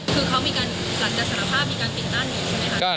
คือเขามีการหลังจากสารภาพมีการปิดต้านหนูใช่ไหมคะ